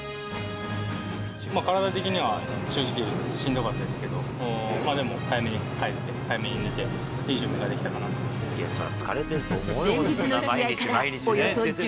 体的には正直しんどかったですけど、でも早めに帰って早めに寝て、いい準備ができたかなと思います。